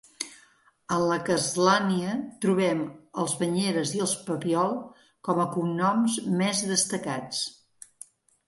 En la castlania trobem els Banyeres i els Papiol com a cognoms més destacats.